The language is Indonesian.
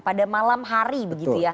pada malam hari begitu ya